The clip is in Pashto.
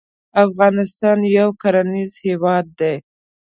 افغانستان یو کرنیز هیواد دی